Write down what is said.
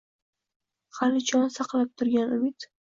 Hali jon saqlab turgan umid